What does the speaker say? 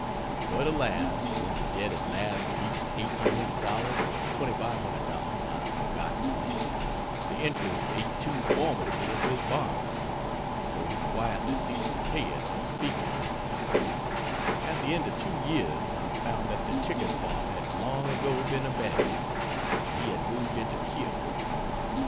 But alas, when the debt at last reached $1800 or $2500 (I have forgotten which) the interest ate too formidably into his borrowings, and so he quietly ceased to pay it or speak of it. At the end of two years I found that the chicken farm had long ago been abandoned, and he had moved into Keokuk.